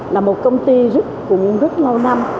là một công ty cũng rất lâu năm